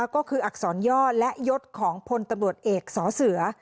ก็คืออักษรย่อและยศของพลตำรวจเอกสอเสือ